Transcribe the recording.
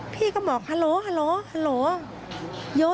พี่ก็บอกฮัลโหลฮัลโหล